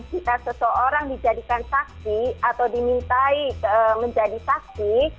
jika seseorang dijadikan saksi atau dimintai menjadi saksi